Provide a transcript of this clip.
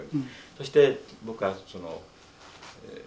そして僕はその。